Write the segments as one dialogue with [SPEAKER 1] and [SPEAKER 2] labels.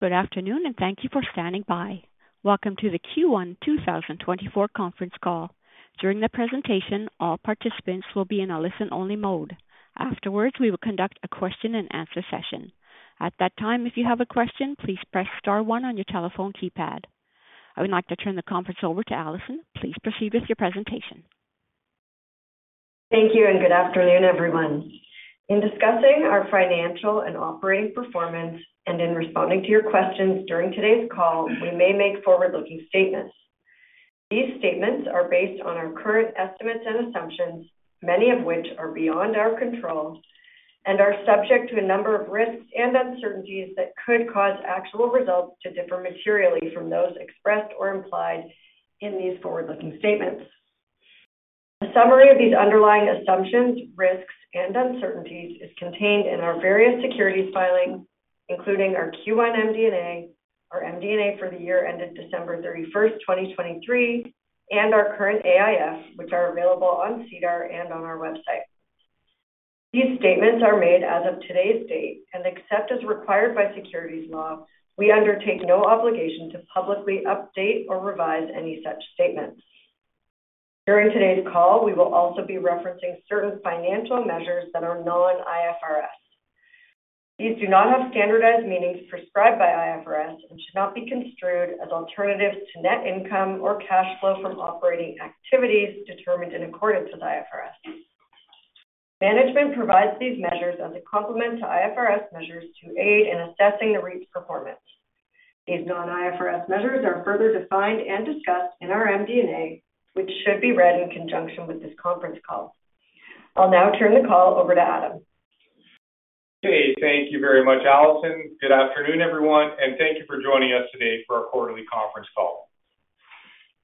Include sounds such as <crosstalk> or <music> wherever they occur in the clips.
[SPEAKER 1] Good afternoon, and thank you for standing by. Welcome to the Q1 2024 conference call. During the presentation, all participants will be in a listen-only mode. Afterwards, we will conduct a question-and-answer session. At that time, if you have a question, please press star one on your telephone keypad. I would like to turn the conference over to Alison. Please proceed with your presentation.
[SPEAKER 2] Thank you, and good afternoon, everyone. In discussing our financial and operating performance, and in responding to your questions during today's call, we may make forward-looking statements. These statements are based on our current estimates and assumptions, many of which are beyond our control, and are subject to a number of risks and uncertainties that could cause actual results to differ materially from those expressed or implied in these forward-looking statements. A summary of these underlying assumptions, risks, and uncertainties is contained in our various securities filings, including our Q1 MD&A, our MD&A for the year ended December 31st, 2023, and our current AIF, which are available on SEDAR and on our website. These statements are made as of today's date, and except as required by securities law, we undertake no obligation to publicly update or revise any such statements. During today's call, we will also be referencing certain financial measures that are non-IFRS. These do not have standardized meanings prescribed by IFRS and should not be construed as alternatives to net income or cash flow from operating activities determined in accordance with IFRS. Management provides these measures as a complement to IFRS measures to aid in assessing the REIT's performance. These non-IFRS measures are further defined and discussed in our MD&A, which should be read in conjunction with this conference call. I'll now turn the call over to Adam.
[SPEAKER 3] Hey, thank you very much, Alison. Good afternoon, everyone, and thank you for joining us today for our quarterly conference call.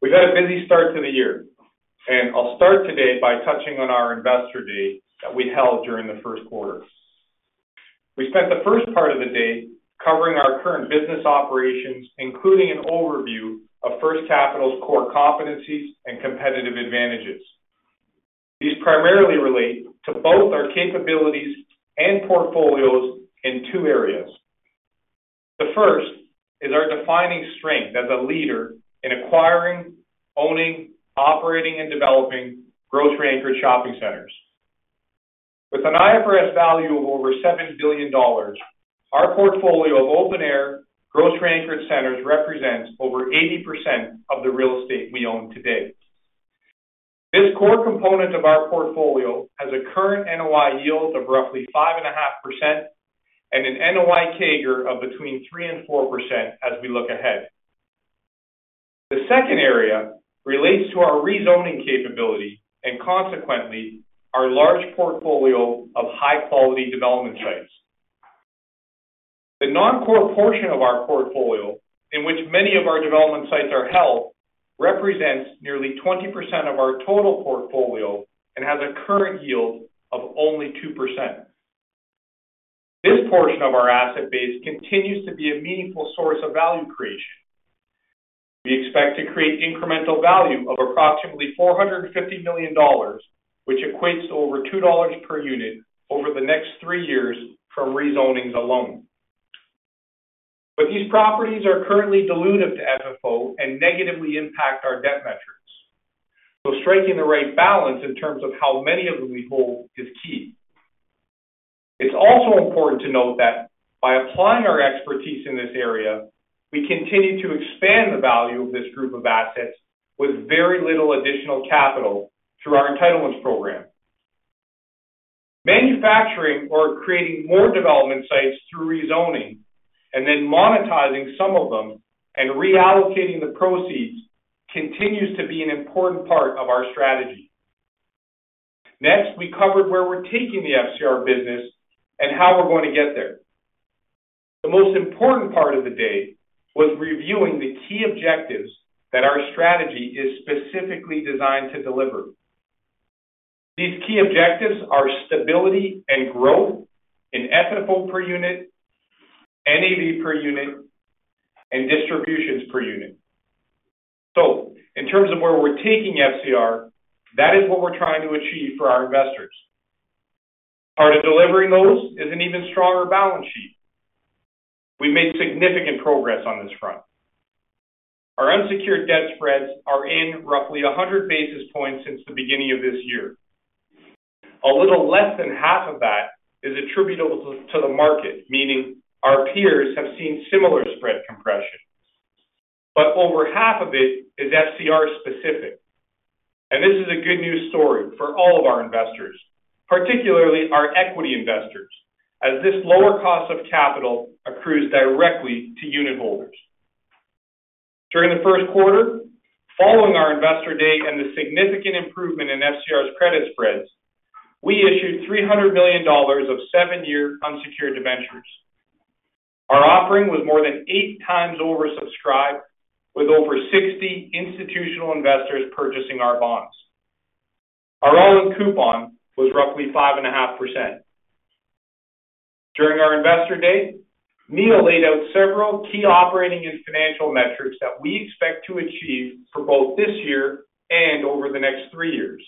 [SPEAKER 3] We've had a busy start to the year, and I'll start today by touching on our Investor Day that we held during the first quarter. We spent the first part of the day covering our current business operations, including an overview of First Capital's core competencies and competitive advantages. These primarily relate to both our capabilities and portfolios in two areas. The first is our defining strength as a leader in acquiring, owning, operating, and developing grocery-anchored shopping centers. With an IFRS value of over 7 billion dollars, our portfolio of open-air grocery-anchored centers represents over 80% of the real estate we own today. This core component of our portfolio has a current NOI yield of roughly 5.5% and an NOI CAGR of between 3% and 4% as we look ahead. The second area relates to our rezoning capability and, consequently, our large portfolio of high-quality development sites. The non-core portion of our portfolio, in which many of our development sites are held, represents nearly 20% of our total portfolio and has a current yield of only 2%. This portion of our asset base continues to be a meaningful source of value creation. We expect to create incremental value of approximately 450 million dollars, which equates to over 2 dollars per unit over the next three years from rezonings alone. But these properties are currently dilutive to FFO and negatively impact our debt metrics, so striking the right balance in terms of how many of them we hold is key. It's also important to note that, by applying our expertise in this area, we continue to expand the value of this group of assets with very little additional capital through our entitlements program. Manufacturing or creating more development sites through rezoning and then monetizing some of them and reallocating the proceeds continues to be an important part of our strategy. Next, we covered where we're taking the FCR business and how we're going to get there. The most important part of the day was reviewing the key objectives that our strategy is specifically designed to deliver. These key objectives are stability and growth in FFO per unit, NAV per unit, and distributions per unit. So, in terms of where we're taking FCR, that is what we're trying to achieve for our investors. Part of delivering those is an even stronger balance sheet. We've made significant progress on this front. Our unsecured debt spreads are in roughly 100 basis points since the beginning of this year. A little less than half of that is attributable to the market, meaning our peers have seen similar spread compression. But over half of it is FCR-specific. This is a good news story for all of our investors, particularly our equity investors, as this lower cost of capital accrues directly to unit holders. During the first quarter, following our Investor Day and the significant improvement in FCR's credit spreads, we issued 300 million dollars of seven-year unsecured debentures. Our offering was more than eight times oversubscribed, with over 60 institutional investors purchasing our bonds. Our all-in coupon was roughly 5.5%. During our Investor Day, Neil laid out several key operating and financial metrics that we expect to achieve for both this year and over the next three years.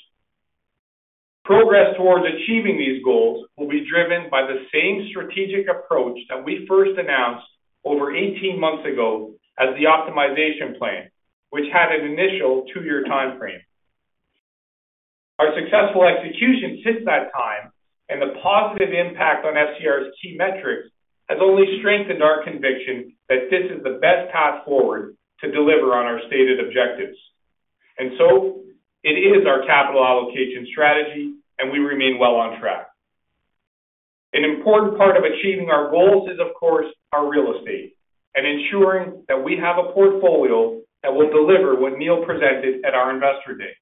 [SPEAKER 3] Progress towards achieving these goals will be driven by the same strategic approach that we first announced over 18 months ago as the optimization plan, which had an initial two-year time frame. Our successful execution since that time and the positive impact on FCR's key metrics has only strengthened our conviction that this is the best path forward to deliver on our stated objectives. And so, it is our capital allocation strategy, and we remain well on track. An important part of achieving our goals is, of course, our real estate and ensuring that we have a portfolio that will deliver what Neil presented at our Investor Day.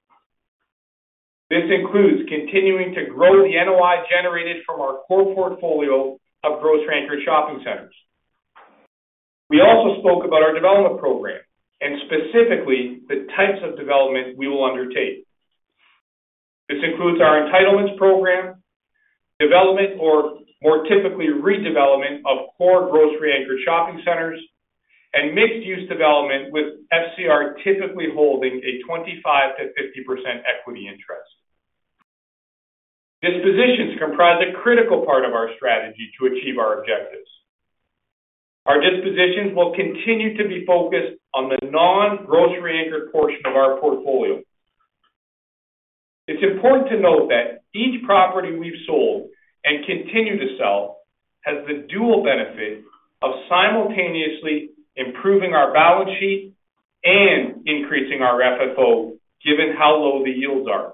[SPEAKER 3] This includes continuing to grow the NOI generated from our core portfolio of grocery-anchored shopping centers. We also spoke about our development program and, specifically, the types of development we will undertake. This includes our entitlements program, development or, more typically, redevelopment of core grocery-anchored shopping centers, and mixed-use development with FCR typically holding a 25%-50% equity interest. Dispositions comprise a critical part of our strategy to achieve our objectives. Our dispositions will continue to be focused on the non-grocery-anchored portion of our portfolio. It's important to note that each property we've sold and continue to sell has the dual benefit of simultaneously improving our balance sheet and increasing our FFO, given how low the yields are.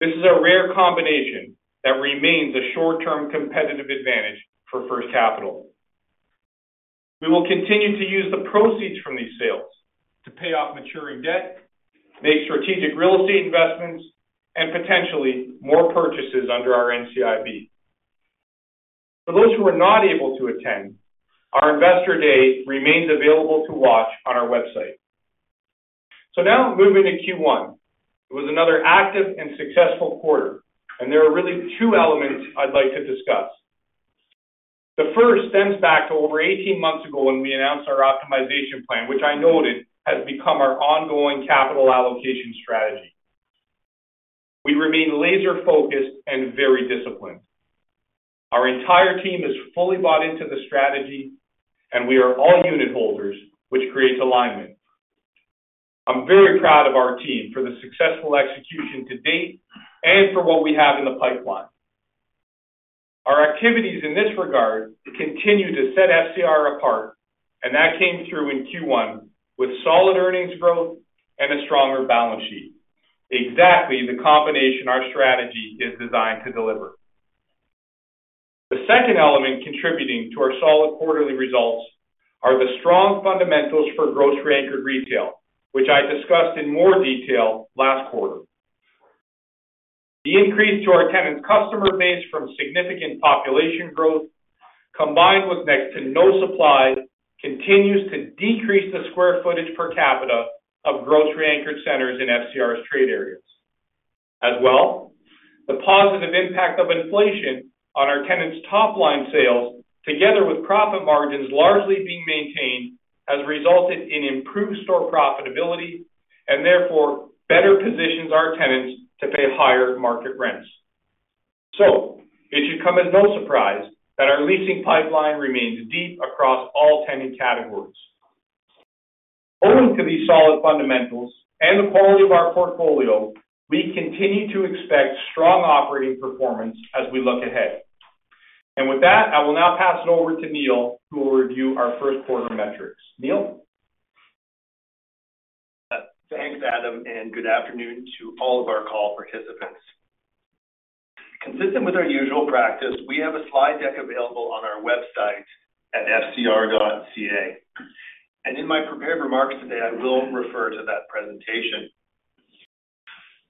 [SPEAKER 3] This is a rare combination that remains a short-term competitive advantage for First Capital. We will continue to use the proceeds from these sales to pay off maturing debt, make strategic real estate investments, and potentially more purchases under our NCIB. For those who are not able to attend, our Investor Day remains available to watch on our website. So now, moving to Q1. It was another active and successful quarter, and there are really two elements I'd like to discuss. The first stems back to over 18 months ago when we announced our optimization plan, which I noted has become our ongoing capital allocation strategy. We remain laser-focused and very disciplined. Our entire team is fully bought into the strategy, and we are all unit holders, which creates alignment. I'm very proud of our team for the successful execution to date and for what we have in the pipeline. Our activities in this regard continue to set FCR apart, and that came through in Q1 with solid earnings growth and a stronger balance sheet, exactly the combination our strategy is designed to deliver. The second element contributing to our solid quarterly results are the strong fundamentals for grocery-anchored retail, which I discussed in more detail last quarter. The increase to our tenants' customer base from significant population growth, combined with next to no supply, continues to decrease the square footage per capita of grocery-anchored centers in FCR's trade areas. As well, the positive impact of inflation on our tenants' top-line sales, together with profit margins largely being maintained, has resulted in improved store profitability and, therefore, better positions our tenants to pay higher market rents. It should come as no surprise that our leasing pipeline remains deep across all tenant categories. Owing to these solid fundamentals and the quality of our portfolio, we continue to expect strong operating performance as we look ahead. With that, I will now pass it over to Neil, who will review our first quarter metrics. Neil?
[SPEAKER 4] Thanks, Adam, and good afternoon to all of our call participants. Consistent with our usual practice, we have a slide deck available on our website at fcr.ca. In my prepared remarks today, I will refer to that presentation.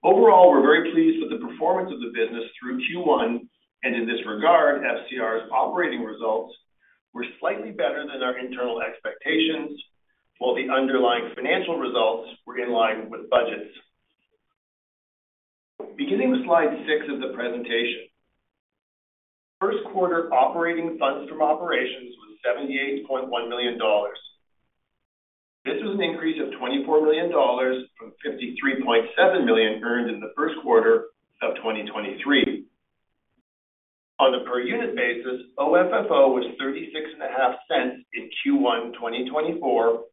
[SPEAKER 4] Overall, we're very pleased with the performance of the business through Q1, and in this regard, FCR's operating results were slightly better than our internal expectations, while the underlying financial results were in line with budgets. Beginning with slide six of the presentation, first quarter operating funds from operations was 78.1 million dollars. This was an increase of 24 million dollars from 53.7 million earned in the first quarter of 2023. On a per-unit basis, OFFO was 0.365 in Q1 2024,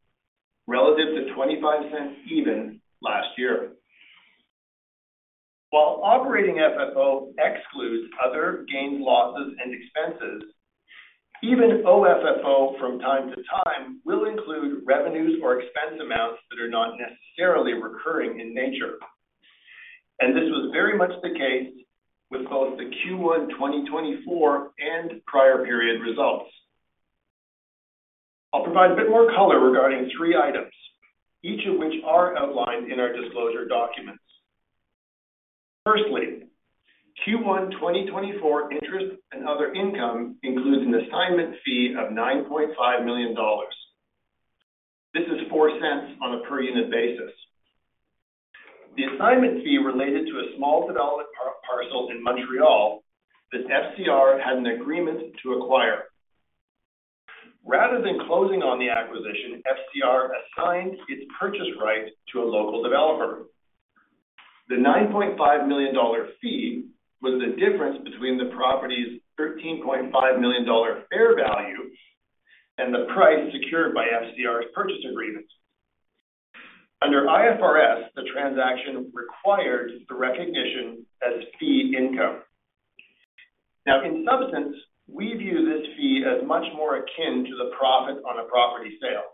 [SPEAKER 4] relative to 0.25 even last year. While operating FFO excludes other gains, losses, and expenses, even OFFO from time to time will include revenues or expense amounts that are not necessarily recurring in nature. This was very much the case with both the Q1 2024 and prior period results. I'll provide a bit more color regarding three items, each of which are outlined in our disclosure documents. Firstly, Q1 2024 interest and other income includes an assignment fee of 9.5 million dollars. This is 0.04 on a per-unit basis. The assignment fee related to a small development parcel in Montreal that FCR had an agreement to acquire. Rather than closing on the acquisition, FCR assigned its purchase right to a local developer. The 9.5 million dollar fee was the difference between the property's 13.5 million dollar fair value and the price secured by FCR's purchase agreement. Under IFRS, the transaction required the recognition as fee income. Now, in substance, we view this fee as much more akin to the profit on a property sale.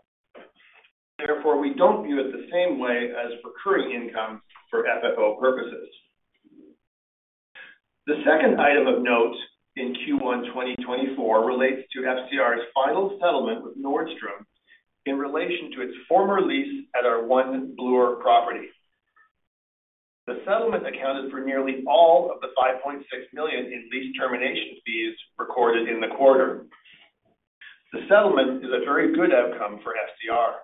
[SPEAKER 4] Therefore, we don't view it the same way as recurring income for FFO purposes. The second item of note in Q1 2024 relates to FCR's final settlement with Nordstrom in relation to its former lease at our One Bloor East property. The settlement accounted for nearly all of the 5.6 million in lease termination fees recorded in the quarter. The settlement is a very good outcome for FCR.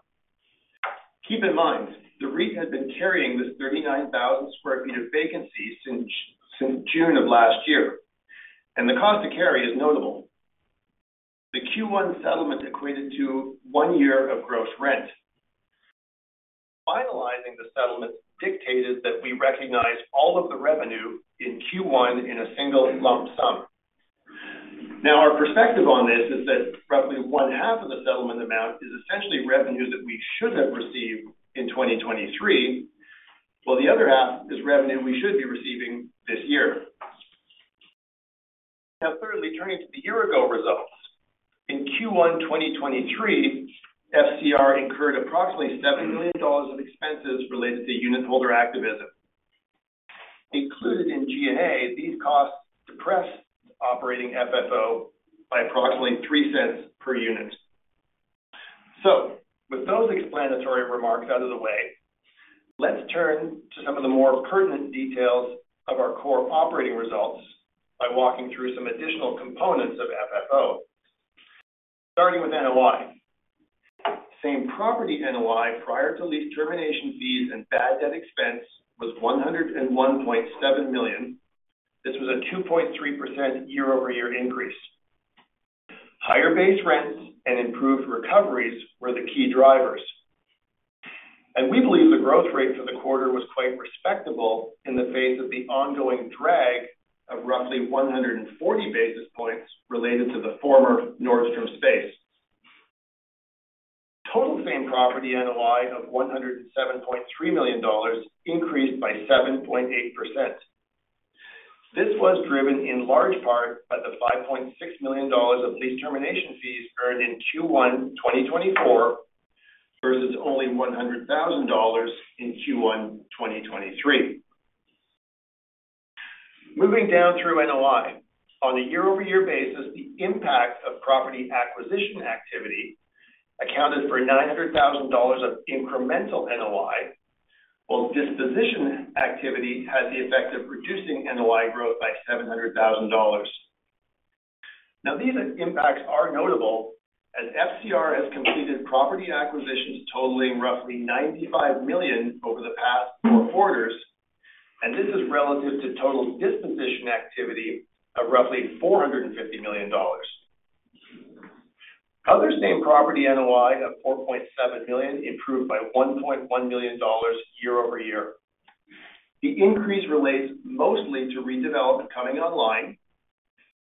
[SPEAKER 4] Keep in mind, the REIT had been carrying this 39,000 sq ft of vacancy since June of last year, and the cost to carry is notable. The Q1 settlement equated to one year of gross rent. Finalizing the settlement dictated that we recognize all of the revenue in Q1 in a single lump sum. Now, our perspective on this is that roughly 1/2 of the settlement amount is essentially revenues that we should have received in 2023, while the other half is revenue we should be receiving this year. Now, thirdly, turning to the year-ago results, in Q1 2023, FCR incurred approximately 7 million dollars of expenses related to unit holder activism. Included in G&A, these costs depressed operating FFO by approximately 0.03 per unit. So with those explanatory remarks out of the way, let's turn to some of the more pertinent details of our core operating results by walking through some additional components of FFO. Starting with NOI. Same property NOI prior to lease termination fees and bad debt expense was 101.7 million. This was a 2.3% year-over-year increase. Higher base rents and improved recoveries were the key drivers. We believe the growth rate for the quarter was quite respectable in the face of the ongoing drag of roughly 140 basis points related to the former Nordstrom space. Total same property NOI of 107.3 million dollars increased by 7.8%. This was driven in large part by the 5.6 million dollars of lease termination fees earned in Q1 2024 versus only CAD 100,000 in Q1 2023. Moving down through NOI, on a year-over-year basis, the impact of property acquisition activity accounted for 900,000 dollars of incremental NOI, while disposition activity had the effect of reducing NOI growth by 700,000 dollars. Now, these impacts are notable as FCR has completed property acquisitions totaling roughly 95 million over the past four quarters, and this is relative to total disposition activity of roughly 450 million dollars. Other same property NOI of 4.7 million improved by 1.1 million dollars year-over-year. The increase relates mostly to redevelopment coming online,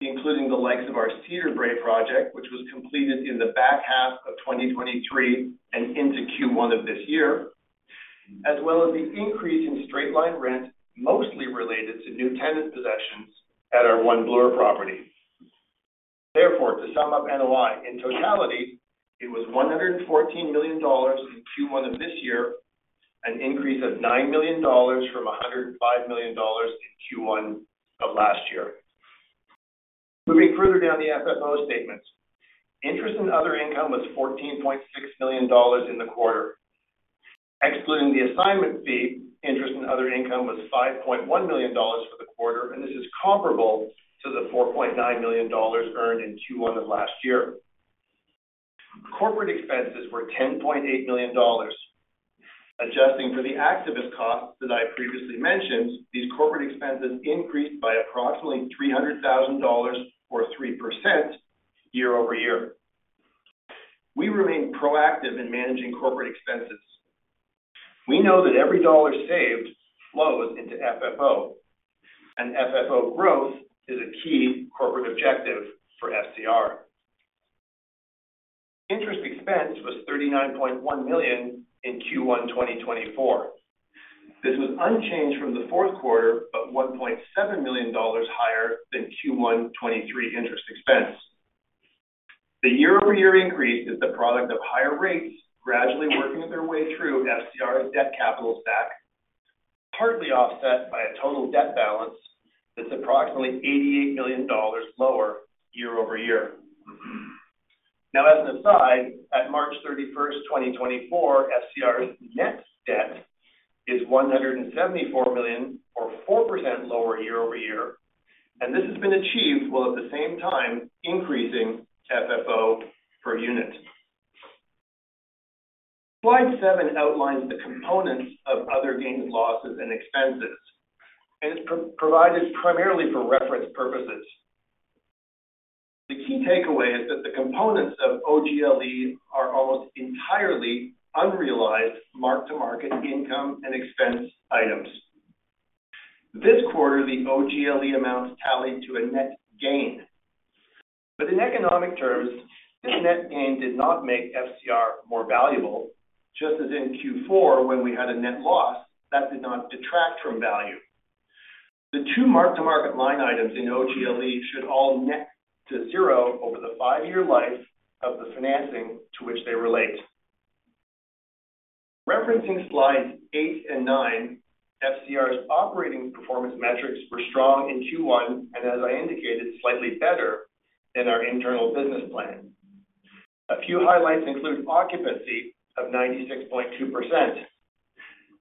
[SPEAKER 4] including the likes of our Cedarbrae project, which was completed in the back half of 2023 and into Q1 of this year, as well as the increase in straight-line rent mostly related to new tenant possessions at our One Bloor property. Therefore, to sum up NOI, in totality, it was 114 million dollars in Q1 of this year, an increase of 9 million dollars from 105 million dollars in Q1 of last year. Moving further down the FFO statements, interest in other income was 14.6 million dollars in the quarter. Excluding the assignment fee, interest in other income was 5.1 million dollars for the quarter, and this is comparable to the 4.9 million dollars earned in Q1 of last year. Corporate expenses were 10.8 million dollars. Adjusting for the activist costs that I previously mentioned, these corporate expenses increased by approximately 300,000 dollars or 3% year-over-year. We remain proactive in managing corporate expenses. We know that every dollar saved flows into FFO, and FFO growth is a key corporate objective for FCR. Interest expense was 39.1 million in Q1 2024. This was unchanged from the fourth quarter, but 1.7 million dollars higher than Q1 2023 interest expense. The year-over-year increase is the product of higher rates gradually working their way through FCR's debt capital stack, partly offset by a total debt balance that's approximately 88 million dollars lower year-over-year. Now, as an aside, at March 31st, 2024, FCR's net debt is 174 million or 4% lower year-over-year, and this has been achieved while at the same time increasing FFO per unit. Slide 7 outlines the components of other gains, losses, and expenses, and it's provided primarily for reference purposes. The key takeaway is that the components of OGLE are almost entirely unrealized mark-to-market income and expense items. This quarter, the OGLE amounts tallied to a net gain. But in economic terms, this net gain did not make FCR more valuable. Just as in Q4, when we had a net loss, that did not detract from value. The two mark-to-market line items in OGLE should all net to zero over the 5-year life of the financing to which they relate. Referencing slides 8 and 9, FCR's operating performance metrics were strong in Q1 and, as I indicated, slightly better than our internal business plan. A few highlights include occupancy of 96.2%.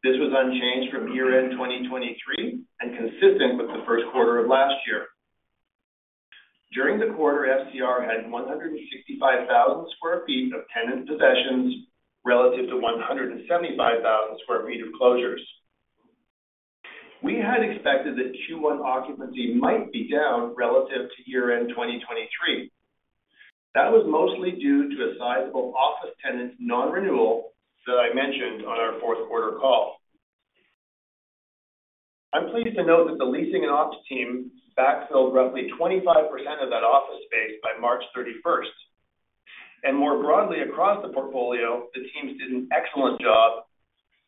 [SPEAKER 4] This was unchanged from year-end 2023 and consistent with the first quarter of last year. During the quarter, FCR had 165,000 sq ft of tenant possessions relative to 175,000 sq ft of closures. We had expected that Q1 occupancy might be down relative to year-end 2023. That was mostly due to a sizable office tenant non-renewal that I mentioned on our fourth quarter call. I'm pleased to note that the leasing and ops team backfilled roughly 25% of that office space by March 31st. More broadly, across the portfolio, the teams did an excellent job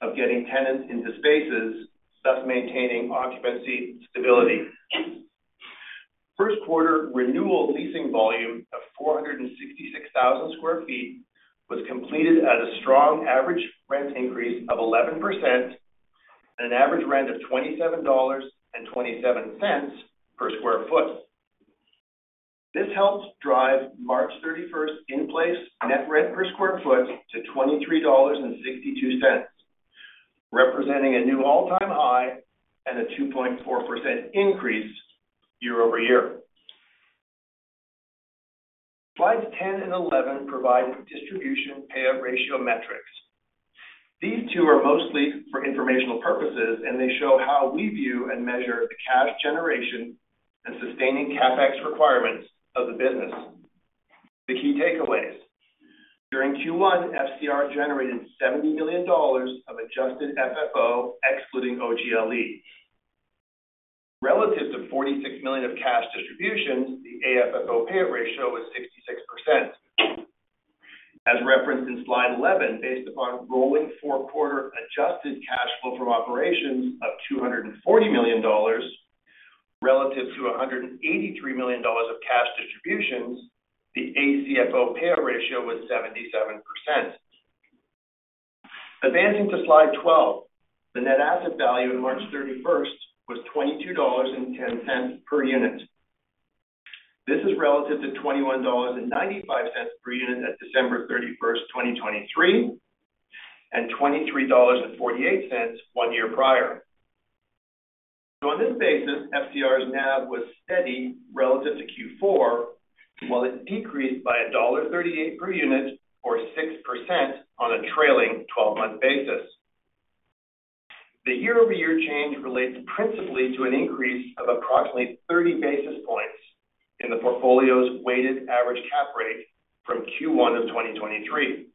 [SPEAKER 4] of getting tenants into spaces, thus maintaining occupancy stability. first quarter renewal leasing volume of 466,000 sq ft was completed at a strong average rent increase of 11% and an average rent of 27.27 dollars per sq ft. This helped drive March 31st in-place net rent per sq ft to 23.62 dollars, representing a new all-time high and a 2.4% increase year-over-year. Slides 10 and 11 provide distribution payout ratio metrics. These two are mostly for informational purposes, and they show how we view and measure the cash generation and sustaining CapEx requirements of the business. The key takeaways during Q1, FCR generated 70 million dollars of adjusted FFO excluding OGLE. Relative to 46 million of cash distributions, the AFFO payout ratio was 66%. As referenced in slide 11, based upon rolling fourth quarter adjusted cash flow from operations of 240 million dollars relative to 183 million dollars of cash distributions, the ACFO payout ratio was 77%. Advancing to slide 12, the net asset value at March 31st was 22.10 dollars per unit. This is relative to 21.95 dollars per unit at December 31st, 2023, and 23.48 dollars one year prior. So on this basis, FCR's NAV was steady relative to Q4, while it decreased by dollar 1.38 per unit or 6% on a trailing 12-month basis. The year-over-year change relates principally to an increase of approximately 30 basis points in the portfolio's weighted average cap rate from Q1 of 2023.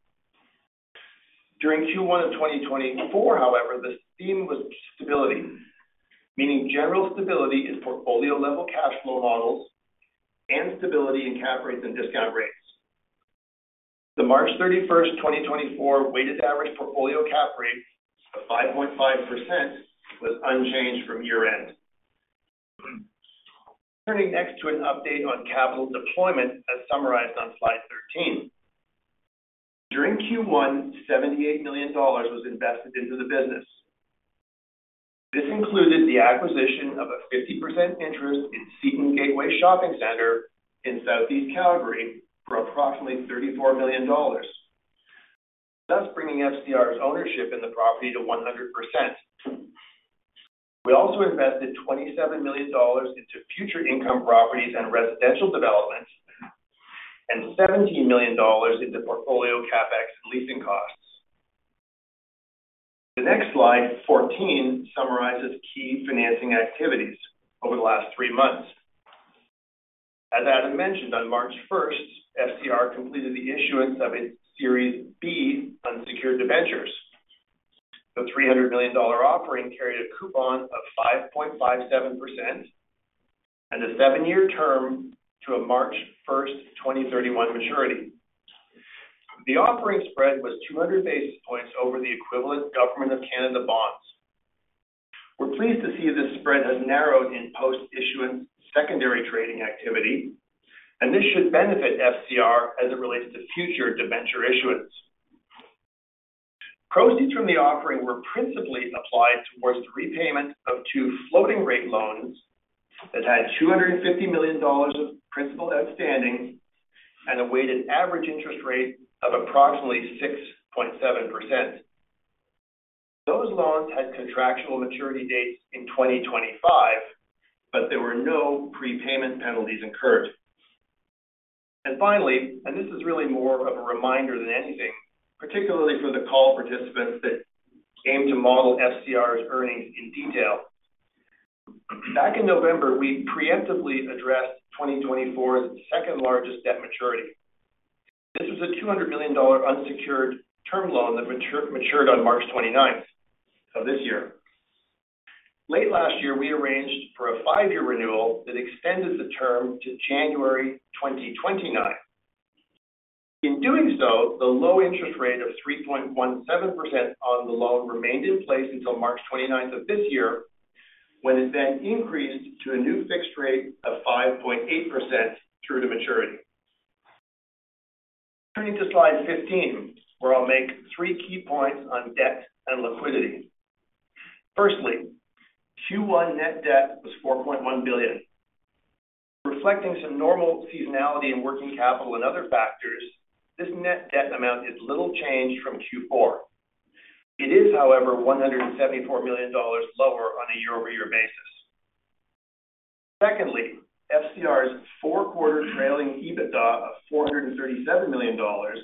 [SPEAKER 4] During Q1 of 2024, however, the theme was stability, meaning general stability in portfolio-level cash flow models and stability in cap rates and discount rates. The March 31st, 2024 weighted average portfolio cap rate of 5.5% was unchanged from year-end. Turning next to an update on capital deployment as summarized on slide 13. During Q1, 78 million dollars was invested into the business. This included the acquisition of a 50% interest in Seton Gateway shopping centre in Southeast Calgary for approximately 34 million dollars, thus bringing FCR's ownership in the property to 100%. We also invested 27 million dollars into future income properties and residential developments and 17 million dollars into portfolio CapEx and leasing costs. The next slide, 14, summarizes key financing activities over the last three months. As Adam mentioned, on March 1st, FCR completed the issuance of its Series B unsecured debentures. The 300 million dollar offering carried a coupon of 5.57% and a seven-year term to a March 1st, 2031 maturity. The offering spread was 200 basis points over the equivalent Government of Canada bonds. We're pleased to see this spread has narrowed in post-issuance secondary trading activity, and this should benefit FCR as it relates to future debenture issuance. Proceeds from the offering were principally applied towards the repayment of two floating-rate loans that had 250 million dollars of principal outstanding and a weighted average interest rate of approximately 6.7%. Those loans had contractual maturity dates in 2025, but there were no prepayment penalties incurred. And finally, and this is really more of a reminder than anything, particularly for the call participants that aim to model FCR's earnings in detail. Back in November, we preemptively addressed 2024's second-largest debt maturity. This was a 200 million dollar unsecured term loan that matured on March 29th of this year. Late last year, we arranged for a five-year renewal that extended the term to January 2029. In doing so, the low interest rate of 3.17% on the loan remained in place until March 29th of this year, when it then increased to a new fixed rate of 5.8% through to maturity. Turning to slide 15, where I'll make three key points on debt and liquidity. Firstly, Q1 net debt was 4.1 billion. Reflecting some normal seasonality in working capital and other factors, this net debt amount is little changed from Q4. It is, however, 174 million dollars lower on a year-over-year basis. Secondly, FCR's four-quarter trailing EBITDA of 437 million dollars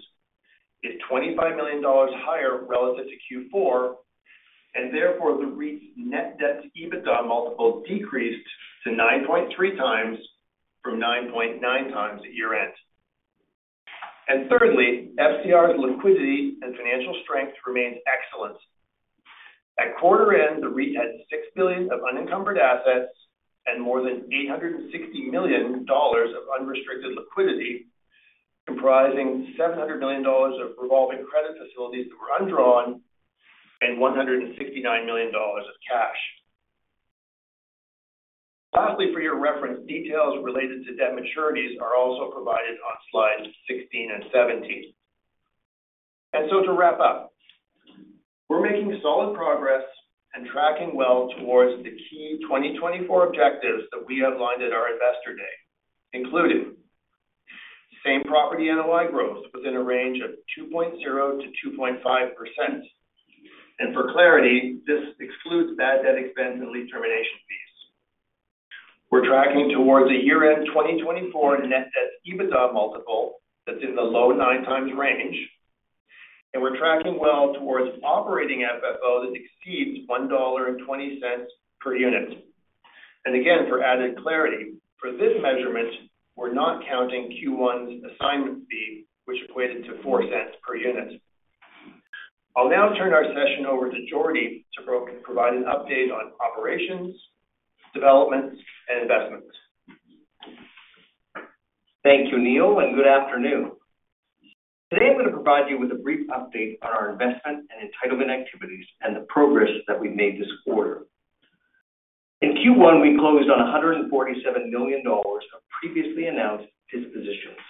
[SPEAKER 4] is 25 million dollars higher relative to Q4, and therefore, the REIT's net debt to EBITDA multiple decreased to 9.3x from 9.9x at year-end. And thirdly, FCR's liquidity and financial strength remains excellent. At quarter-end, the REIT had 6 billion of unencumbered assets and more than 860 million dollars of unrestricted liquidity, comprising 700 million dollars of revolving credit facilities that were undrawn and 169 million dollars of cash. Lastly, for your reference, details related to debt maturities are also provided on slides 16 and 17. And so to wrap up, we're making solid progress and tracking well towards the key 2024 objectives that we have lined at our Investor Day, including same property NOI growth within a range of 2.0%-2.5%. And for clarity, this excludes bad debt expense and lease termination fees. We're tracking towards a year-end 2024 net debt to EBITDA multiple that's in the low 9x range. And we're tracking well towards operating FFO that exceeds 1.20 dollar per unit. And again, for added clarity, for this measurement, we're not counting Q1's assignment fee, which equated to 0.04 per unit. I'll now turn our session over to Jordy to provide an update on operations, developments, and investments.
[SPEAKER 5] Thank you, Neil, and good afternoon. Today, I'm going to provide you with a brief update on our investment and entitlement activities and the progress that we've made this quarter. In Q1, we closed on 147 million dollars of previously announced dispositions.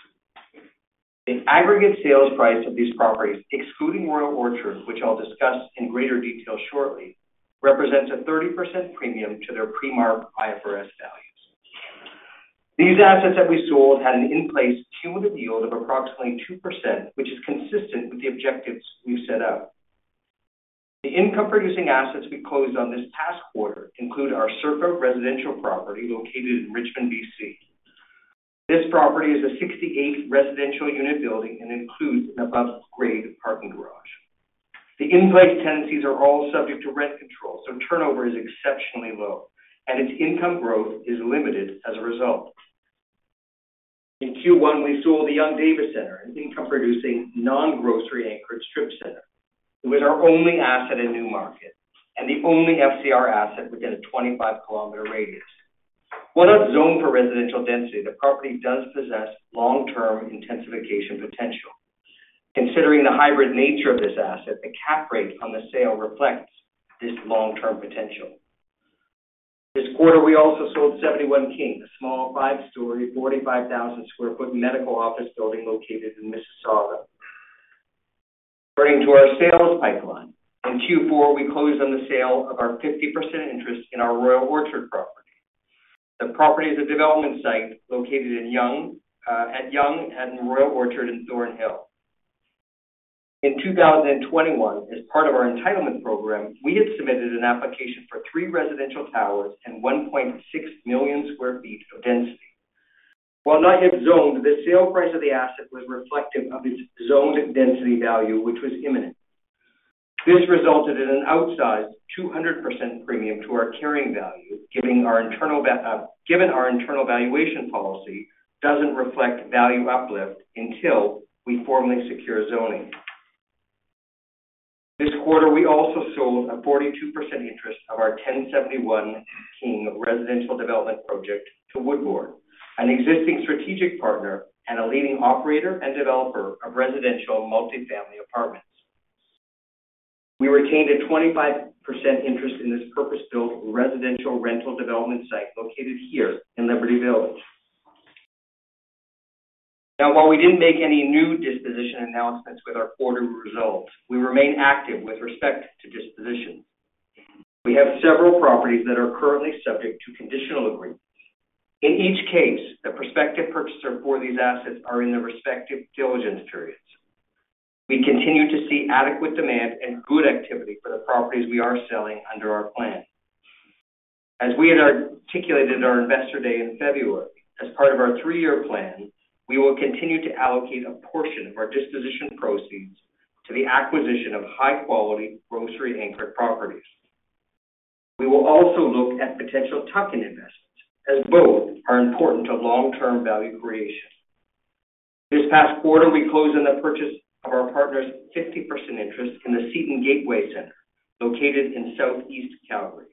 [SPEAKER 5] The aggregate sales price of these properties, excluding Royal Orchard, which I'll discuss in greater detail shortly, represents a 30% premium to their pre-marked IFRS values. These assets that we sold had an in-place cumulative yield of approximately 2%, which is consistent with the objectives we've set out. The income-producing assets we closed on this past quarter include our Circa residential property located in Richmond, BC. This property is a 68-unit residential building and includes an above-grade parking garage. The in-place tenancies are all subject to rent control, so turnover is exceptionally low, and its income growth is limited as a result. In Q1, we sold the Yonge-Davis Centre, an income-producing non-grocery-anchored strip center. It was our only asset in Newmarket and the only FCR asset within a 25 km radius. While not zoned for residential density, the property does possess long-term intensification potential. Considering the hybrid nature of this asset, the cap rate on the sale reflects this long-term potential. This quarter, we also sold 71 King, a small five-story, 45,000-sq-ft medical office building located in Mississauga. Turning to our sales pipeline, in Q4, we closed on the sale of our 50% interest in our Royal Orchard property. The property is a development site located at Yonge and Royal Orchard in Thornhill. In 2021, as part of our entitlement program, we had submitted an application for three residential towers and 1.6 million sq ft of density. While not yet zoned, the sale price of the asset was reflective of its zoned density value, which was imminent. This resulted in an outsized 200% premium to our carrying value, given our internal valuation policy doesn't reflect value uplift until we formally secure zoning. This quarter, we also sold a 42% interest of our 1071 King residential development project to Woodbourne, an existing strategic partner and a leading operator and developer of residential multifamily apartments. We retained a 25% interest in this purpose-built residential rental development site located here in Liberty Village. Now, while we didn't make any new disposition announcements with our quarter results, we remain active with respect to dispositions. We have several properties that are currently subject to conditional agreements. In each case, the prospective purchaser for these assets are in their respective diligence periods. We continue to see adequate demand and good activity for the properties we are selling under our plan. As we had articulated at our Investor Day in February, as part of our three-year plan, we will continue to allocate a portion of our disposition proceeds to the acquisition of high-quality grocery-anchored properties. We will also look at potential tuck-in investments as both are important to long-term value creation. This past quarter, we closed on the purchase of our partner's 50% interest in Seton Gateway shopping centre located in Southeast Calgary.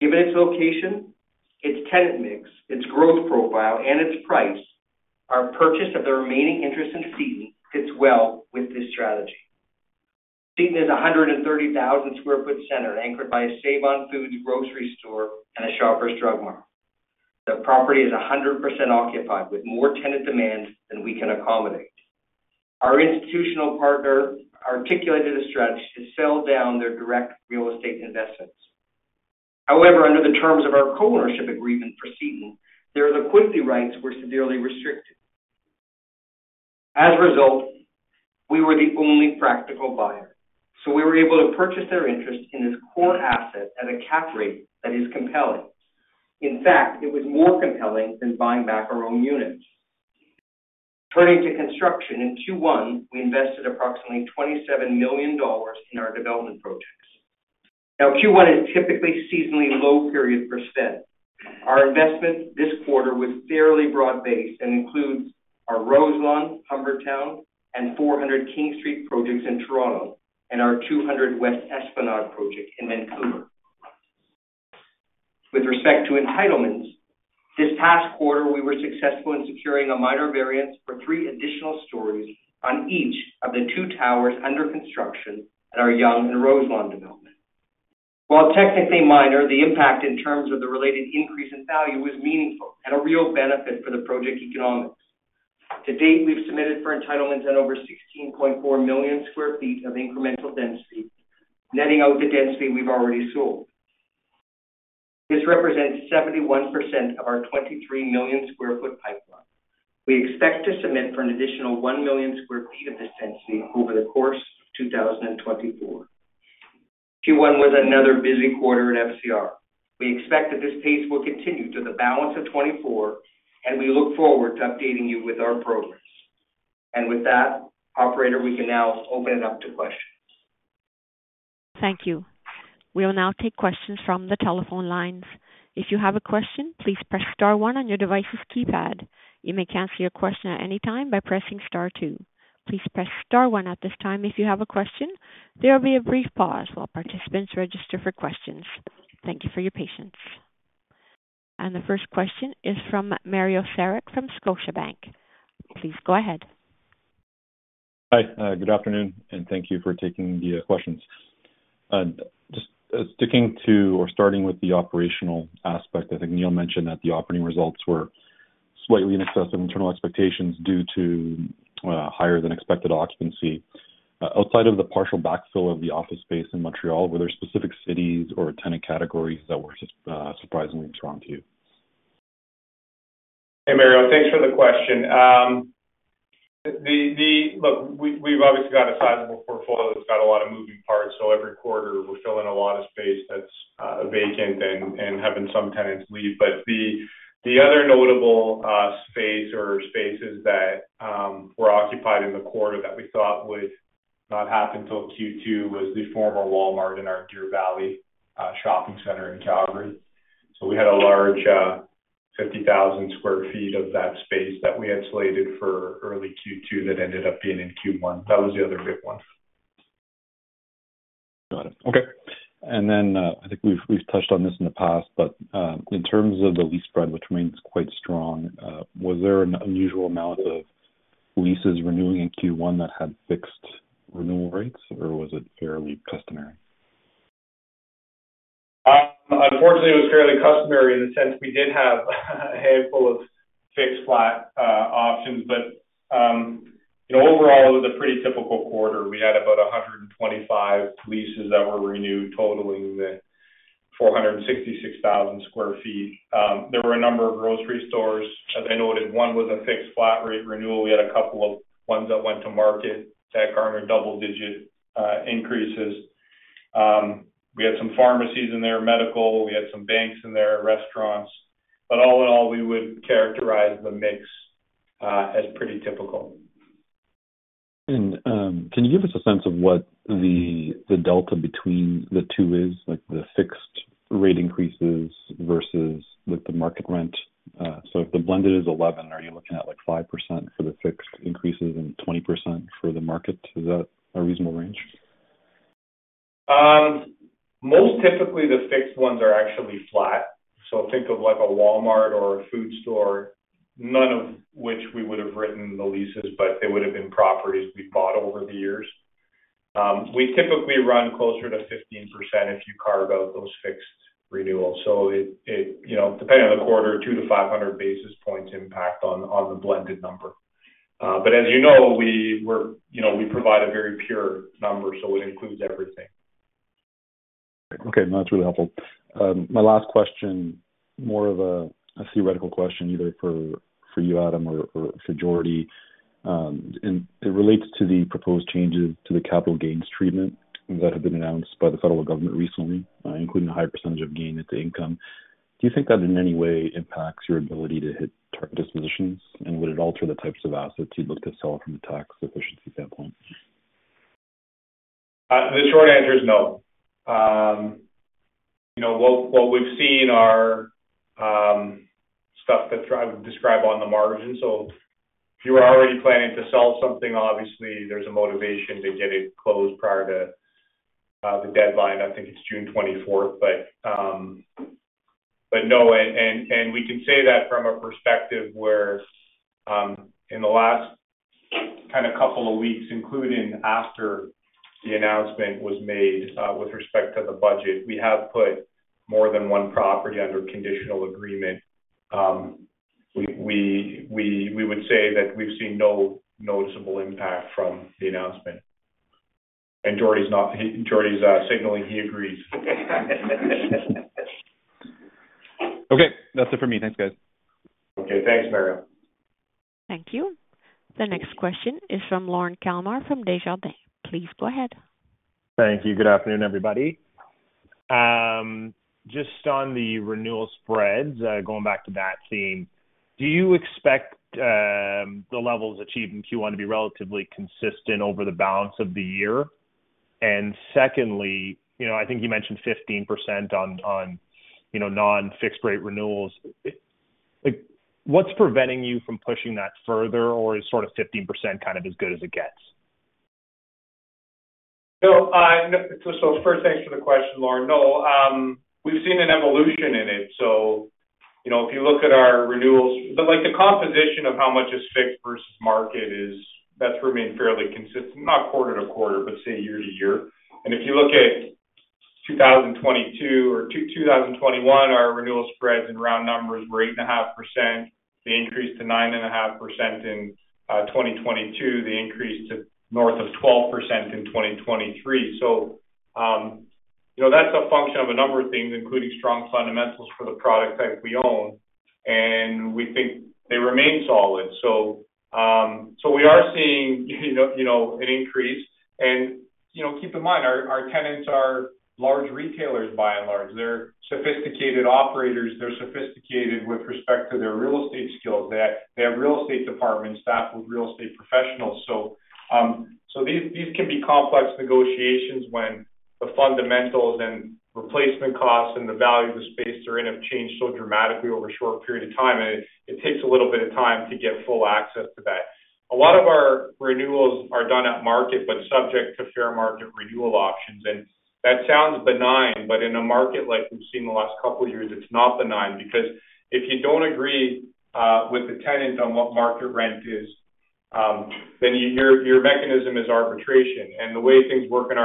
[SPEAKER 5] Given its location, its tenant mix, its growth profile, and its price, our purchase of the remaining interest in Seton fits well with this strategy. Seton is a 130,000 sq ft center anchored by a Save-On-Foods grocery store and a Shoppers Drug Mart. The property is 100% occupied, with more tenant demand than we can accommodate. Our institutional partner articulated a stretch to sell down their direct real estate investments. However, under the terms of our co-ownership agreement for Seton, their liquidity rights were severely restricted. As a result, we were the only practical buyer. So we were able to purchase their interest in this core asset at a cap rate that is compelling. In fact, it was more compelling than buying back our own units. Turning to construction, in Q1, we invested approximately 27 million dollars in our development projects. Now, Q1 is typically seasonally low period for spend. Our investment this quarter was fairly broad-based and includes our Roselawn, Humbertown, and 400 King Street projects in Toronto, and our 200 West Esplanade project in Vancouver. With respect to entitlements, this past quarter, we were successful in securing a minor variance for three additional stories on each of the two towers under construction at our Yonge and Roselawn development. While technically minor, the impact in terms of the related increase in value was meaningful and a real benefit for the project economics. To date, we've submitted for entitlements on over 16.4 million sq ft of incremental density, netting out the density we've already sold. This represents 71% of our 23 million sq ft pipeline. We expect to submit for an additional 1 million sq ft of this density over the course of 2024. Q1 was another busy quarter at FCR. We expect that this pace will continue through the balance of 2024, and we look forward to updating you with our progress. With that, operator, we can now open it up to questions.
[SPEAKER 1] Thank you. We will now take questions from the telephone lines. If you have a question, please press star one on your device's keypad. You may cancel your question at any time by pressing star two. Please press star one at this time if you have a question. There will be a brief pause while participants register for questions. Thank you for your patience. The first question is from Mario Saric from Scotiabank. Please go ahead.
[SPEAKER 6] Hi. Good afternoon, and thank you for taking the questions. Just sticking to or starting with the operational aspect, I think Neil mentioned that the operating results were slightly in excess of internal expectations due to higher-than-expected occupancy. Outside of the partial backfill of the office space in Montreal, were there specific cities or tenant categories that were surprisingly strong to you?
[SPEAKER 3] Hey, Mario. Thanks for the question. Look, we've obviously got a sizable portfolio that's got a lot of moving parts. So every quarter, we're filling a lot of space that's vacant and having some tenants leave. But the other notable space or spaces that were occupied in the quarter that we thought would not happen till Q2 was the former Walmart in our Deer Valley shopping center in Calgary. So we had a large 50,000 sq ft of that space that we had slated for early Q2 that ended up being in Q1. That was the other big one.
[SPEAKER 6] Got it. Okay. And then I think we've touched on this in the past, but in terms of the lease spread, which remains quite strong, was there an unusual amount of leases renewing in Q1 that had fixed renewal rates, or was it fairly customary?
[SPEAKER 3] Unfortunately, it was fairly customary in the sense we did have a handful of fixed flat options. Overall, it was a pretty typical quarter. We had about 125 leases that were renewed, totaling 466,000 sq ft. There were a number of grocery stores. As I noted, one was a fixed flat rate renewal. We had a couple of ones that went to market that garnered double-digit increases. We had some pharmacies in there, medical. We had some banks in there, restaurants. All in all, we would characterize the mix as pretty typical.
[SPEAKER 6] Can you give us a sense of what the delta between the two is, the fixed rate increases versus the market rent? So if the blended is 11%, are you looking at 5% for the fixed increases and 20% for the market? Is that a reasonable range?
[SPEAKER 3] Most typically, the fixed ones are actually flat. So think of a Walmart or a food store, none of which we would have written the leases, but they would have been properties we bought over the years. We typically run closer to 15% if you carve out those fixed renewals. So depending on the quarter, 2-500 basis points impact on the blended number. But as you know, we provide a very pure number, so it includes everything.
[SPEAKER 6] Okay. No, that's really helpful. My last question, more of a theoretical question either for you, Adam, or for Jordy. It relates to the proposed changes to the capital gains treatment that have been announced by the federal government recently, including a higher percentage of gain at the income. Do you think that in any way impacts your ability to hit target dispositions, and would it alter the types of assets you'd look to sell from a tax efficiency standpoint?
[SPEAKER 3] The short answer is no. What we've seen are stuff that I would describe on the margin. So if you were already planning to sell something, obviously, there's a motivation to get it closed prior to the deadline. I think it's June 24th. But no. And we can say that from a perspective where in the last kind of couple of weeks, including after the announcement was made with respect to the budget, we have put more than one property under conditional agreement. We would say that we've seen no noticeable impact from the announcement. And Jordy's signaling he agrees.
[SPEAKER 6] Okay. That's it for me. Thanks, guys.
[SPEAKER 3] Okay. Thanks, Mario.
[SPEAKER 1] Thank you. The next question is from Lorne Kalmar from Desjardins. Please go ahead.
[SPEAKER 7] Thank you. Good afternoon, everybody. Just on the renewal spreads, going back to that theme, do you expect the levels achieved in Q1 to be relatively consistent over the balance of the year? And secondly, I think you mentioned 15% on non-fixed-rate renewals. What's preventing you from pushing that further, or is sort of 15% kind of as good as it gets?
[SPEAKER 3] So first, thanks for the question, Lorne. No, we've seen an evolution in it. So if you look at our renewals the composition of how much is fixed versus market, that's remained fairly consistent, not quarter to quarter, but say year to year. And if you look at 2022 or 2021, our renewal spreads in round numbers were 8.5%. They increased to 9.5% in 2022. They increased north of 12% in 2023. So that's a function of a number of things, including strong fundamentals for the product type we own. And we think they remain solid. So we are seeing an increase. And keep in mind, our tenants are large retailers, by and large. They're sophisticated operators. They're sophisticated with respect to their real estate skills. They have real estate departments staffed with real estate professionals. So these can be complex negotiations when the fundamentals and replacement costs and the value of the space are in flux have changed so dramatically over a short period of time, and it takes a little bit of time to get full access to that. A lot of our renewals are done at market but subject to fair market renewal options. That sounds benign, but in a market like we've seen the last couple of years, it's not benign because if you don't agree with the tenant on what market rent is, then your mechanism is arbitration. The way things work in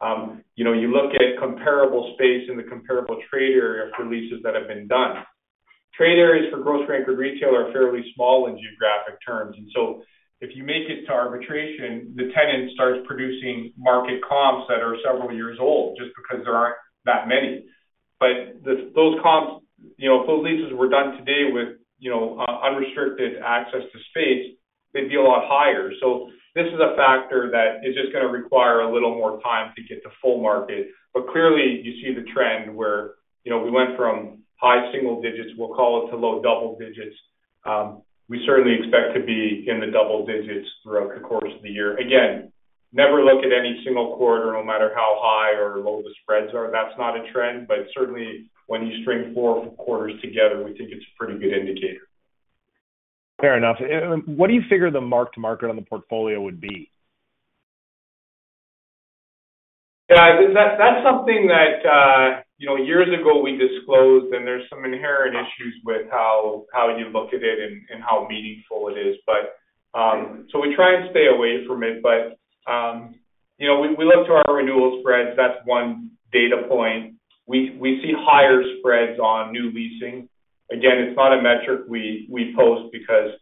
[SPEAKER 3] arbitration is you look at comparable space in the comparable trade area for leases that have been done. Trade areas for grocery-anchored retail are fairly small in geographic terms. If you make it to arbitration, the tenant starts producing market comps that are several years old just because there aren't that many. But those comps, if those leases were done today with unrestricted access to space, they'd be a lot higher. So this is a factor that is just going to require a little more time to get to full market. But clearly, you see the trend where we went from high single digits, we'll call it, to low double digits. We certainly expect to be in the double digits throughout the course of the year. Again, never look at any single quarter no matter how high or low the spreads are. That's not a trend. But certainly, when you string four quarters together, we think it's a pretty good indicator.
[SPEAKER 7] Fair enough. What do you figure the mark-to-market on the portfolio would be?
[SPEAKER 3] Yeah. That's something that years ago, we disclosed, and there's some inherent issues with how you look at it and how meaningful it is. So we try and stay away from it. But we look to our renewal spreads. That's one data point. We see higher spreads on new leasing. Again, it's not a metric we post because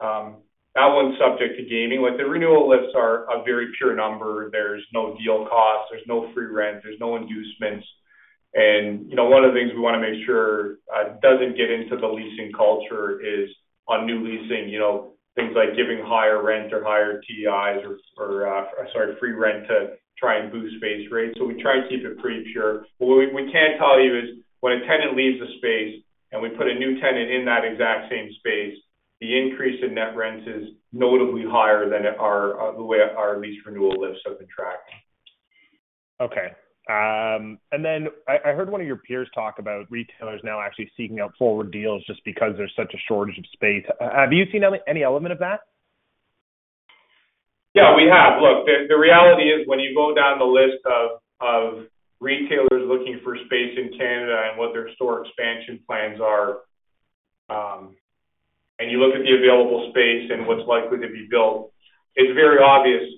[SPEAKER 3] that one's subject to gaming. The renewal lifts are a very pure number. There's no deal costs. There's no free rent. There's no inducements. And one of the things we want to make sure doesn't get into the leasing culture is on new leasing, things like giving higher rent or higher TIs or, sorry, free rent to try and boost base rates. So we try and keep it pretty pure. But what we can tell you is when a tenant leaves a space and we put a new tenant in that exact same space, the increase in net rent is notably higher than the way our lease renewal lifts have been tracking.
[SPEAKER 7] Okay. And then I heard one of your peers talk about retailers now actually seeking out forward deals just because there's such a shortage of space. Have you seen any element of that?
[SPEAKER 3] Yeah, we have. Look, the reality is when you go down the list of retailers looking for space in Canada and what their store expansion plans are, and you look at the available space and what's likely to be built, it's very obvious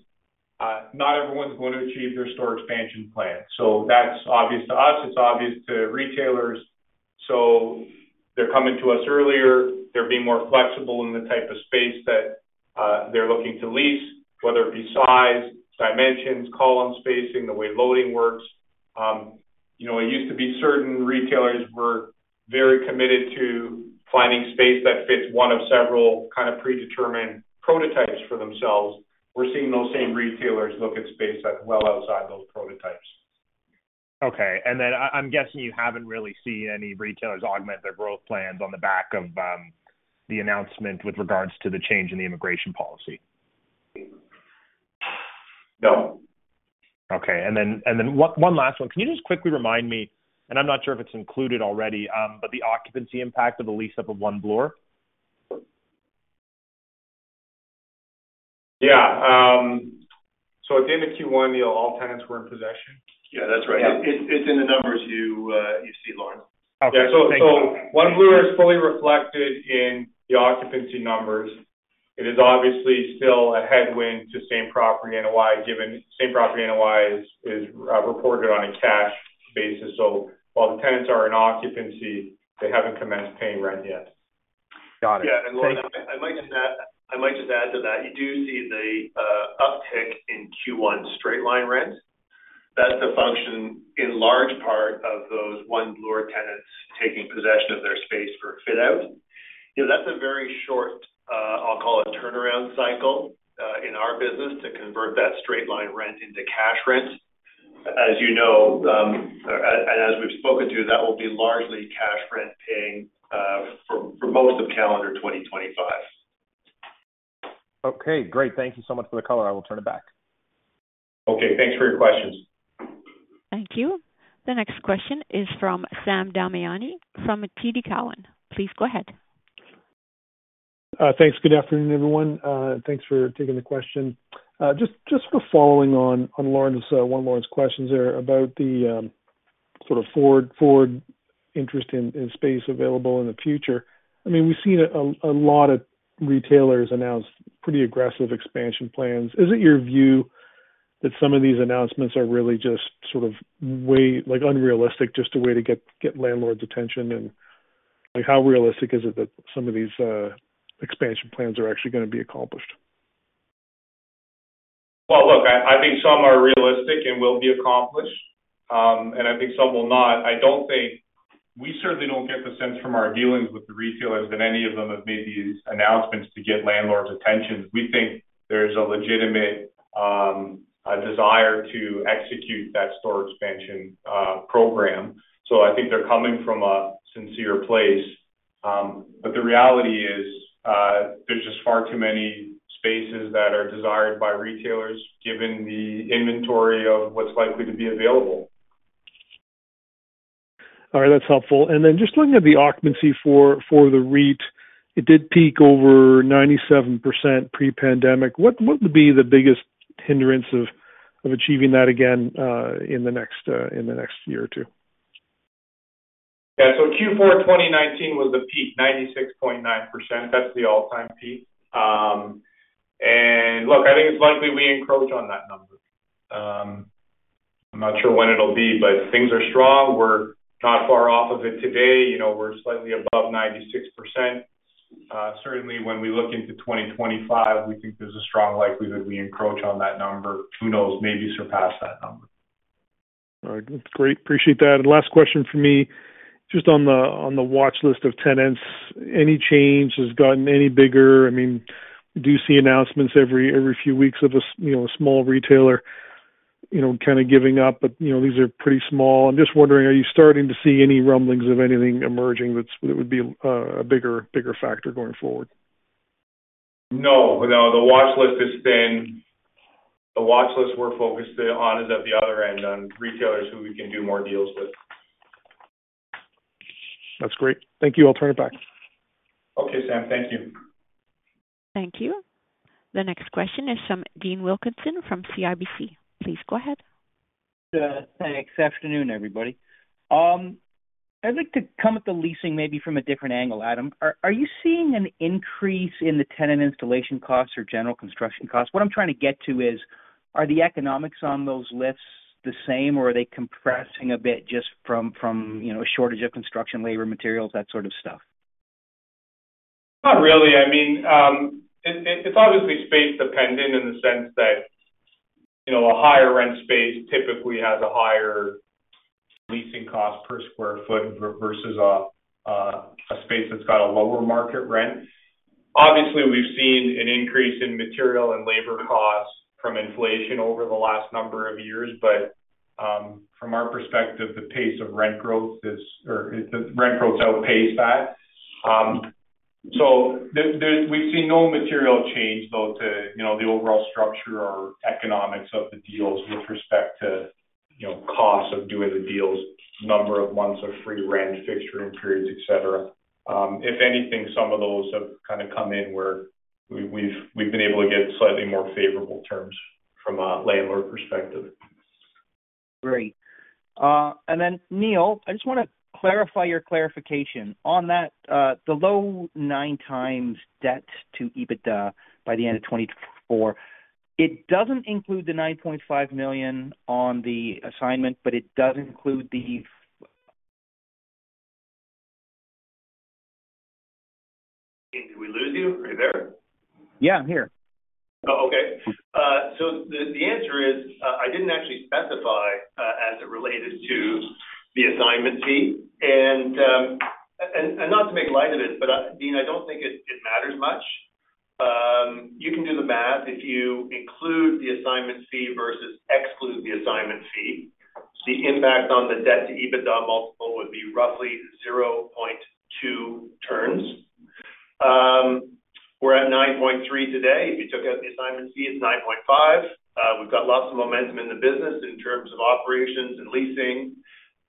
[SPEAKER 3] not everyone's going to achieve their store expansion plan. So that's obvious to us. It's obvious to retailers. So they're coming to us earlier. They're being more flexible in the type of space that they're looking to lease, whether it be size, dimensions, column spacing, the way loading works. It used to be certain retailers were very committed to finding space that fits one of several kind of predetermined prototypes for themselves. We're seeing those same retailers look at space well outside those prototypes.
[SPEAKER 7] Okay. And then I'm guessing you haven't really seen any retailers augment their growth plans on the back of the announcement with regards to the change in the immigration policy?
[SPEAKER 3] No.
[SPEAKER 7] Okay. And then one last one. Can you just quickly remind me—and I'm not sure if it's included already—but the occupancy impact of the lease up of One Bloor?
[SPEAKER 5] Yeah. So at the end of Q1, all tenants were in possession.
[SPEAKER 3] Yeah, that's right. Yeah. It's in the numbers you see, Lorne.
[SPEAKER 7] Thank you.
[SPEAKER 3] Yeah, so One Bloor is fully reflected in the occupancy numbers. It is obviously still a headwind to same property NOI given same property NOI is reported on a cash basis. So while the tenants are in occupancy, they haven't commenced paying rent yet.
[SPEAKER 7] Got it.
[SPEAKER 5] Yeah. And Lorne, I might just add to that. You do see the uptick in Q1 straight-line rent. That's a function in large part of those One Bloor tenants taking possession of their space for a fit-out. That's a very short, I'll call it, turnaround cycle in our business to convert that straight-line rent into cash rent. As you know and as we've spoken to, that will be largely cash rent paying for most of calendar 2025.
[SPEAKER 7] Okay. Great. Thank you so much for the call. I will turn it back.
[SPEAKER 3] Okay. Thanks for your questions.
[SPEAKER 1] Thank you. The next question is from Sam Damiani from TD Cowen. Please go ahead.
[SPEAKER 8] Thanks. Good afternoon, everyone. Thanks for taking the question. Just sort of following on Alison's questions there about the sort of forward interest in space available in the future. I mean, we've seen a lot of retailers announce pretty aggressive expansion plans. Is it your view that some of these announcements are really just sort of unrealistic, just a way to get landlords' attention? And how realistic is it that some of these expansion plans are actually going to be accomplished?
[SPEAKER 3] Well, look, I think some are realistic and will be accomplished, and I think some will not. We certainly don't get the sense from our dealings with the retailers that any of them have made these announcements to get landlords' attention. We think there's a legitimate desire to execute that store expansion program. So I think they're coming from a sincere place. But the reality is there's just far too many spaces that are desired by retailers given the inventory of what's likely to be available.
[SPEAKER 8] All right. That's helpful. Then just looking at the occupancy for the REIT, it did peak over 97% pre-pandemic. What would be the biggest hindrance of achieving that again in the next year or two?
[SPEAKER 3] Yeah. So Q4 2019 was the peak, 96.9%. That's the all-time peak. And look, I think it's likely we encroach on that number. I'm not sure when it'll be, but things are strong. We're not far off of it today. We're slightly above 96%. Certainly, when we look into 2025, we think there's a strong likelihood we encroach on that number. Who knows? Maybe surpass that number.
[SPEAKER 8] All right. Great. Appreciate that. And last question for me, just on the watchlist of tenants, any change has gotten any bigger? I mean, we do see announcements every few weeks of a small retailer kind of giving up, but these are pretty small. I'm just wondering, are you starting to see any rumblings of anything emerging that would be a bigger factor going forward?
[SPEAKER 3] No. No. The watchlist is thin. The watchlist we're focused on is at the other end on retailers who we can do more deals with.
[SPEAKER 8] That's great. Thank you. I'll turn it back.
[SPEAKER 3] Okay, Sam. Thank you.
[SPEAKER 1] Thank you. The next question is from Dean Wilkinson from CIBC. Please go ahead.
[SPEAKER 9] Good. Thanks. Afternoon, everybody. I'd like to come at the leasing maybe from a different angle, Adam. Are you seeing an increase in the tenant installation costs or general construction costs? What I'm trying to get to is, are the economics on those lifts the same, or are they compressing a bit just from a shortage of construction labor, materials, that sort of stuff?
[SPEAKER 3] Not really. I mean, it's obviously space-dependent in the sense that a higher rent space typically has a higher leasing cost per square foot versus a space that's got a lower market rent. Obviously, we've seen an increase in material and labor costs from inflation over the last number of years. But from our perspective, the pace of rent growth is or rent growth outpaced that. So we've seen no material change, though, to the overall structure or economics of the deals with respect to cost of doing the deals, number of months of free rent, fixturing periods, etc. If anything, some of those have kind of come in where we've been able to get slightly more favorable terms from a landlord perspective.
[SPEAKER 9] Great. And then, Neil, I just want to clarify your clarification. The low 9x debt to EBITDA by the end of 2024, it doesn't include the 9.5 million on the assignment, but it does include the. <audio distortion>
[SPEAKER 4] Dean, do we lose you? Are you there?
[SPEAKER 9] Yeah, I'm here.
[SPEAKER 4] Oh, okay. So the answer is I didn't actually specify as it related to the assignment fee. And not to make light of it, but Dean, I don't think it matters much. You can do the math. If you include the assignment fee versus exclude the assignment fee, the impact on the debt-to-EBITDA multiple would be roughly 0.2 turns. We're at 9.3 today. If you took out the assignment fee, it's 9.5. We've got lots of momentum in the business in terms of operations and leasing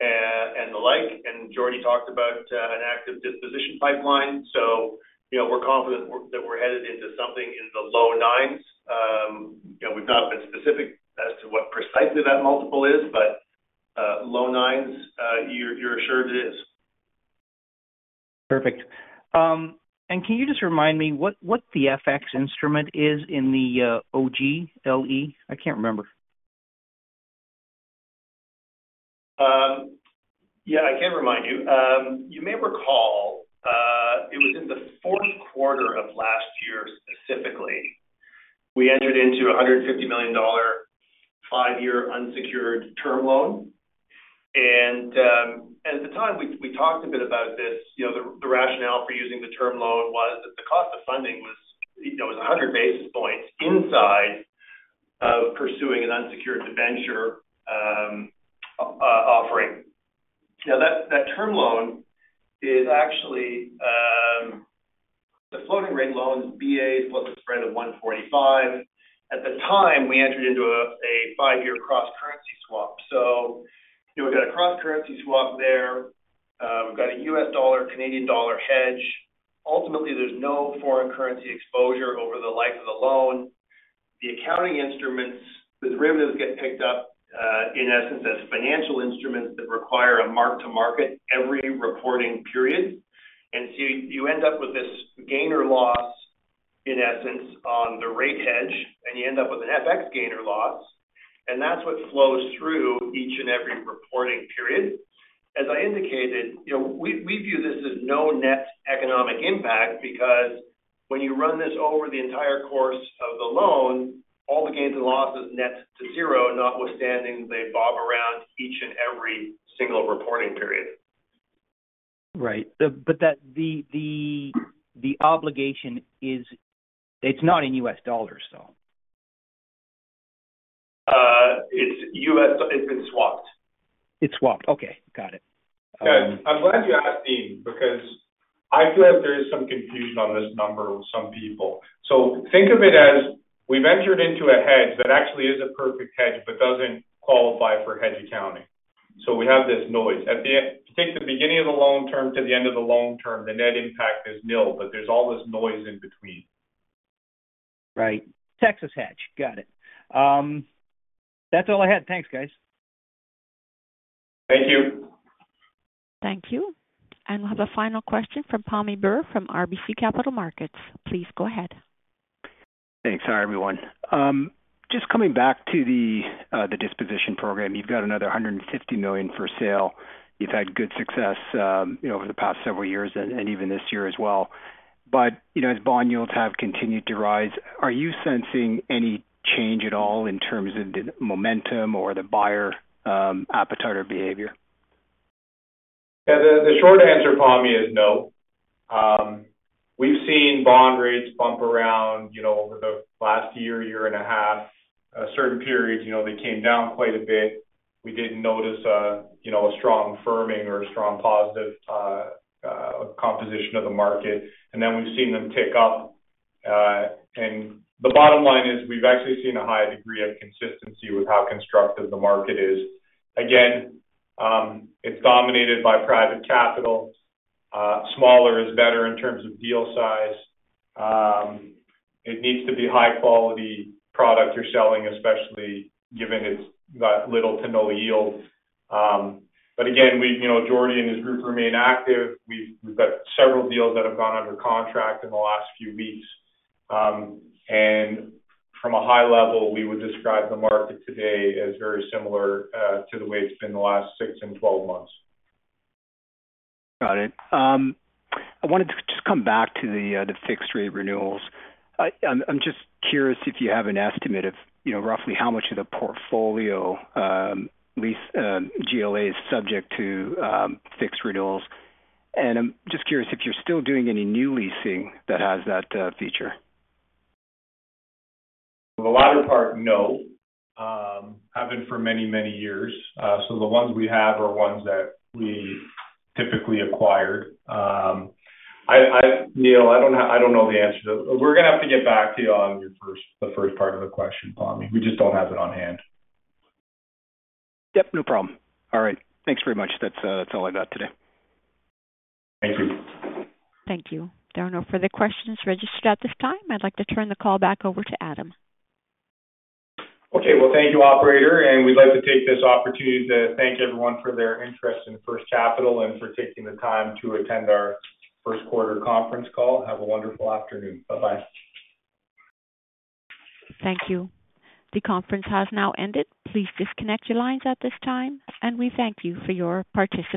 [SPEAKER 4] and the like. And Jordy talked about an active disposition pipeline. So we're confident that we're headed into something in the low 9s. We've not been specific as to what precisely that multiple is, but low 9s, you're assured it is.
[SPEAKER 9] Perfect. Can you just remind me what the FX instrument is in the OGLE? I can't remember.
[SPEAKER 4] Yeah, I can remind you. You may recall it was in the fourth quarter of last year, specifically. We entered into a $150 million five-year unsecured term loan. At the time, we talked a bit about this. The rationale for using the term loan was that the cost of funding was 100 basis points inside of pursuing an unsecured debenture offering. Now, that term loan is actually the floating-rate loan's BAs plus a spread of 145. At the time, we entered into a five-year cross-currency swap. So we've got a cross-currency swap there. We've got a U.S. dollar, Canadian dollar hedge. Ultimately, there's no foreign currency exposure over the life of the loan. The accounting instruments, the derivatives get picked up, in essence, as financial instruments that require a mark-to-market every reporting period. And so you end up with this gain or loss, in essence, on the rate hedge, and you end up with an FX gain or loss. And that's what flows through each and every reporting period. As I indicated, we view this as no net economic impact because when you run this over the entire course of the loan, all the gains and losses net to zero, notwithstanding they bob around each and every single reporting period.
[SPEAKER 9] Right. But the obligation, it's not in U.S. dollars, though?
[SPEAKER 4] It's been swapped.
[SPEAKER 9] It's swapped. Okay. Got it.
[SPEAKER 4] Yeah. I'm glad you asked, Dean, because I feel like there is some confusion on this number with some people. So think of it as we've entered into a hedge that actually is a perfect hedge but doesn't qualify for hedge accounting. So we have this noise. Take the beginning of the loan term to the end of the loan term, the net impact is nil, but there's all this noise in between.
[SPEAKER 9] Right. Texas hedge. Got it. That's all I had. Thanks, guys.
[SPEAKER 4] Thank you.
[SPEAKER 1] Thank you. We'll have a final question from Pammi Bir from RBC Capital Markets. Please go ahead.
[SPEAKER 10] Thanks. Hi, everyone. Just coming back to the disposition program, you've got another 150 million for sale. You've had good success over the past several years and even this year as well. But as bond yields have continued to rise, are you sensing any change at all in terms of the momentum or the buyer appetite or behavior?
[SPEAKER 3] Yeah. The short answer, Pammi, is no. We've seen bond rates bump around over the last year, year and a half. Certain periods, they came down quite a bit. We didn't notice a strong firming or a strong positive composition of the market. And then we've seen them tick up. And the bottom line is we've actually seen a high degree of consistency with how constructive the market is. Again, it's dominated by private capital. Smaller is better in terms of deal size. It needs to be high-quality product you're selling, especially given it's got little to no yield. But again, Jordan and his group remain active. We've got several deals that have gone under contract in the last few weeks. And from a high level, we would describe the market today as very similar to the way it's been the last six and 12 months.
[SPEAKER 10] Got it. I wanted to just come back to the fixed-rate renewals. I'm just curious if you have an estimate of roughly how much of the portfolio GLA is subject to fixed renewals. I'm just curious if you're still doing any new leasing that has that feature.
[SPEAKER 3] For the latter part, no. Haven't for many, many years. So the ones we have are ones that we typically acquired. Neil, I don't know the answer to that. We're going to have to get back to you on the first part of the question, Pammi. We just don't have it on hand.
[SPEAKER 10] Yep. No problem. All right. Thanks very much. That's all I got today.
[SPEAKER 3] Thank you.
[SPEAKER 1] Thank you. There are no further questions registered at this time. I'd like to turn the call back over to Adam.
[SPEAKER 3] Okay. Well, thank you, operator. We'd like to take this opportunity to thank everyone for their interest in First Capital and for taking the time to attend our first quarter conference call. Have a wonderful afternoon. Bye-bye.
[SPEAKER 1] Thank you. The conference has now ended. Please disconnect your lines at this time. We thank you for your participation.